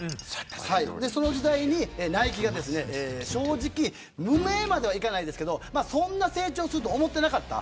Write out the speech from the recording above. その時代にナイキが正直、無名まではいきませんけどそんなに成長すると思っていなかった。